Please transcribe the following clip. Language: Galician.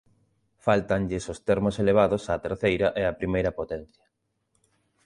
Fáltanlles os termos elevados á terceira e á primeira potencia.